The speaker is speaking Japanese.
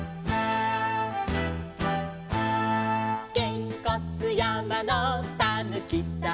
「げんこつ山のたぬきさん」